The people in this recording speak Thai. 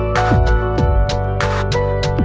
ข้างหน้าวัดหัวสิ